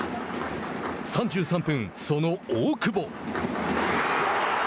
３３分、その大久保。